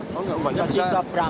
oh enggak ombaknya bisa